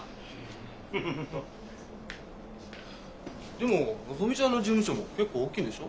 でものぞみちゃんの事務所も結構大きいんでしょ？